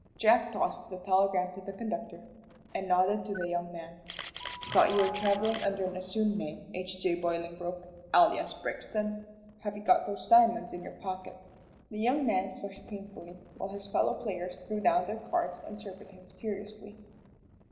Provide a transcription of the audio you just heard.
Jack tossed the telegram to the conductor, and nodded to the young man. "Thought you were travelling under an assumed name. H. J. Bolingbroke alias Blixton. Have you got those diamonds in your pocket?" The young man flushed painfully, while his fellow players threw down their cards and surveyed him curiously.